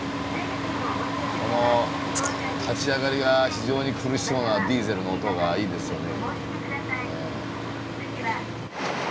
この立ち上がりが非常に苦しそうなディーゼルの音がいいですよね。